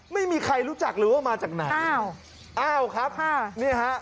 ไม่มีใครรู้จักหรือว่ามาจากไหนอ้าวอ้าวครับนี่ฮะ